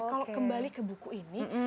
kalau kembali ke buku ini